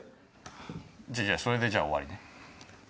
じゃあじゃあそれでじゃあ終わりね。